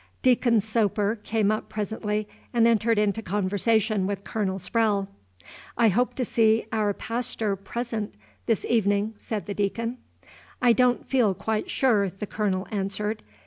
Deacon Soper came up presently, and entered into conversation with Colonel Sprowle. "I hope to see our pastor present this evenin'," said the Deacon. "I don't feel quite sure," the Colonel answered.